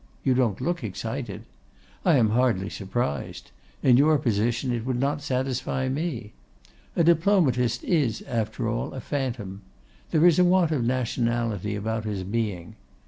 You don't look excited. I am hardly surprised. In your position it would not satisfy me. A Diplomatist is, after all, a phantom. There is a want of nationality about his being.